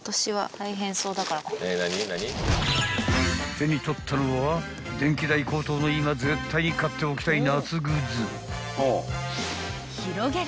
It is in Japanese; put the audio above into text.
［手に取ったのは電気代高騰の今絶対に買っておきたい夏グッズ］